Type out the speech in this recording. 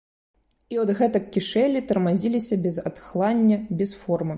І от гэтак кішэлі, тармазіліся без адхлання, без формы.